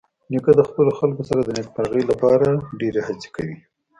نیکه د خپلو خلکو سره د نیکمرغۍ لپاره ډېرې هڅې کوي.